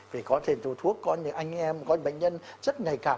vì có thể thuốc có những anh em có những bệnh nhân rất ngạy cảm